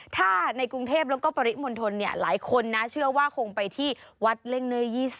ถ้าในกรุงเทพแล้วก็ปริมณฑลหลายคนนะเชื่อว่าคงไปที่วัดเล่งเนื้อ๒๐